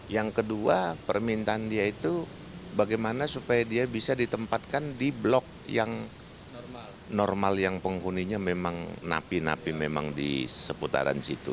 yang kedua permintaan dia itu bagaimana supaya dia bisa ditempatkan di blok yang normal yang penghuninya memang napi napi memang di seputaran situ